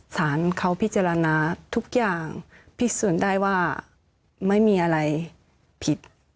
สารเขาพิจารณาทุกอย่างพิสูจน์ได้ว่าไม่มีอะไรผิด